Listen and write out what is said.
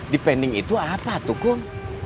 depending itu apa tuh gom